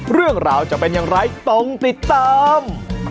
เรื่องราวจะเป็นอย่างไรต้องติดตาม